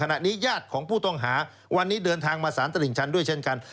ญาติของผู้ต้องหาวันนี้เดินทางมาสารตลิ่งชันด้วยเช่นกัน